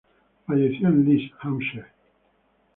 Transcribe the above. Falleció en Liss, Hampshire.